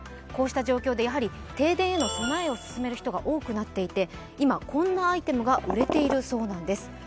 こうした状況でやはり停電への備えを進める人が多くなっていて今、こんなアイテムが売れているそうなんです。